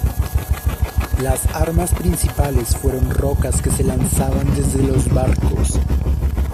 Las armas principales fueron rocas que se lanzaban desde los barcos.